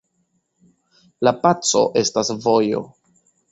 La paco estas vojo.